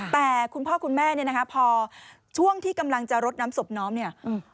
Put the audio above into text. แต่คุณพ่อคุณแม่พอช่วงที่กำลังจะรดน้ำศพน้อง